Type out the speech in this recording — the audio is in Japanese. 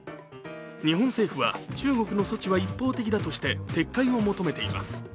日本政府は中国の措置は一方的だとして撤回を求めています。